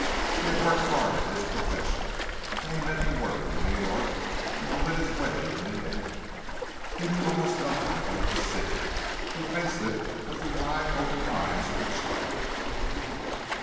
He had worked hard at his profession, and he meant to work in New York, and to win his way in the end. He knew almost nothing about the city—he faced it with the wide open eyes of a child.